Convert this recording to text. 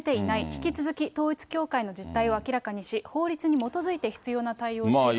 引き続き統一教会の実態を明らかにし、法律に基づいて必要な対応をしていくとしました。